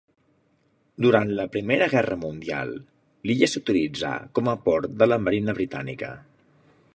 Durant la Primera Guerra Mundial, l'illa s'utilitzà com a port de la marina britànica.